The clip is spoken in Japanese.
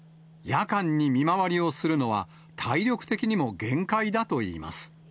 夜間に見回りをするのは、体力的にも限界だといいます。